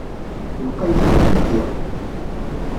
Lqayet tfidi.